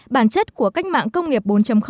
bản chất của cách mạng công nghiệp bốn